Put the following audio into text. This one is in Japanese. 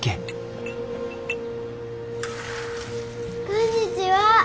こんにちは。